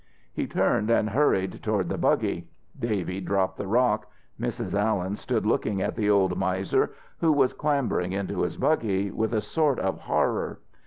He turned and hurried toward the buggy. Davy dropped the rock. Mrs. Allen stood looking at the old miser, who was clambering into his buggy, with a sort of horror.